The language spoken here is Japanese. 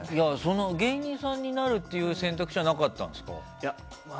芸人さんになるという選択肢はなかったんですか？